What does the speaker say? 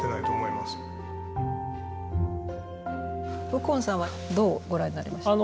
右近さんはどうご覧になりました？